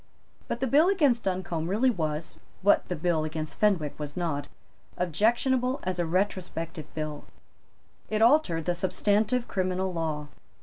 But the bill against Duncombe really was, what the bill against Fenwick was not, objectionable as a retrospective bill. It altered the substantive criminal law.